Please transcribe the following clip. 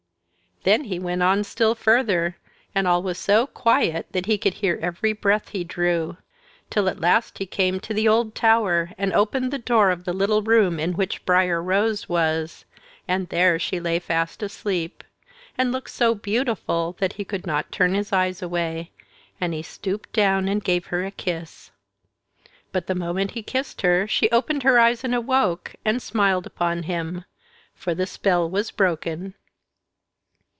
Then he went on still further, and all was so quiet that he could hear every breath he drew; till at last he came to the old tower and opened the door of the little room in which Briar Rose was, and there she lay fast asleep, and looked so beautiful that he could not turn his eyes away, and he stooped down and gave her a kiss. But the moment he kissed her she opened her eyes and awoke, and smiled upon him. For the spell was broken.